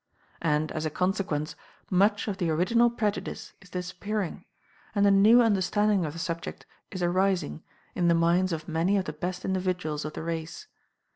And, as a consequence, much of the original prejudice is disappearing, and a new understanding of the subject is arising in the minds of many of the best individuals of the race.